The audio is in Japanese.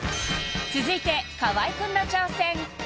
続いて河合くんの挑戦